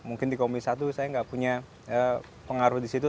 mungkin di komisi satu saya nggak punya pengaruh di situ